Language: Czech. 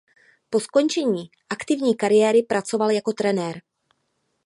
Po skončení aktivní kariéry pracoval jako trenér.